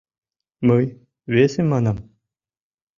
Мый весым манам.